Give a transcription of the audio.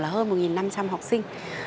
là hơn một năm trăm linh học sinh